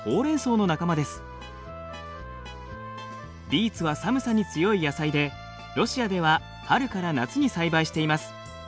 ビーツは寒さに強い野菜でロシアでは春から夏に栽培しています。